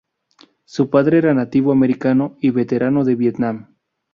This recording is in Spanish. Su padre era nativo americano y veterano de Vietnam.